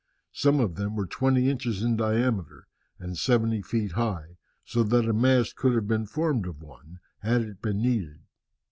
Some of them were twenty inches in diameter, and seventy feet high, so that a mast could have been formed of one had it been needed.